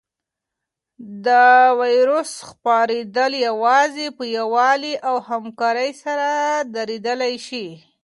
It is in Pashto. د وېروس خپرېدل یوازې په یووالي او همکارۍ سره درېدلی شي.